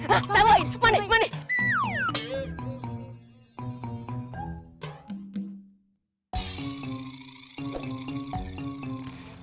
hah tambahin money money